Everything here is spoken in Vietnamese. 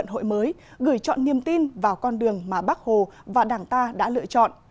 người chọn niềm tin vào con đường mà bác hồ và đảng ta đã lựa chọn